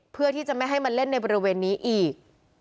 เพื่อที่จะไม่ให้มาเล่นในบริเวณนี้อีก